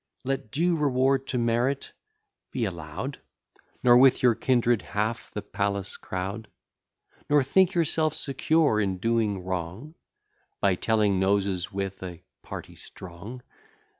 Let due reward to merit be allow'd; Nor with your kindred half the palace crowd; Nor think yourself secure in doing wrong, By telling noses with a party strong.